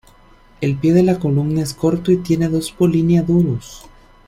El pie de la columna es corto y tiene dos polinia duros.